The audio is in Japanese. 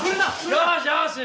よし！